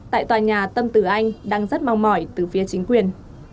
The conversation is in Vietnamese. tại tòa nhà tâm từ anh đang rất mong mỏi từ phía chính quyền